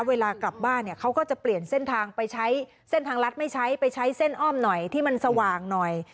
เวลากลับบ้านเนี่ยเขาก็จะเปลี่ยนเส้นทางไปใช้เส้นทางรัฐไม่ใช้ไปใช้เส้นอ้อมหน่อยที่มันสว่างหน่อย